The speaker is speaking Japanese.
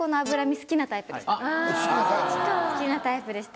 好きなタイプでした。